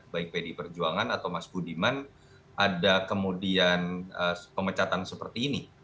baik pdi perjuangan atau mas budiman ada kemudian pemecatan seperti ini